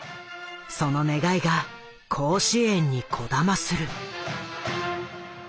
その願いが甲子園にこだまする。